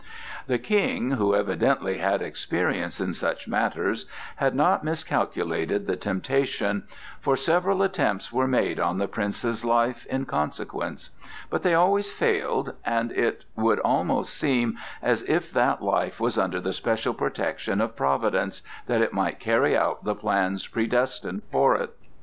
The King, who evidently had experience in such matters, had not miscalculated the temptation, for several attempts were made on the Prince's life in consequence; but they always failed, and it would almost seem as if that life was under the special protection of Providence that it might carry out the plans predestined for it.